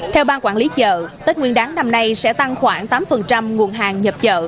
theo ban quản lý chợ tết nguyên đáng năm nay sẽ tăng khoảng tám nguồn hàng nhập chợ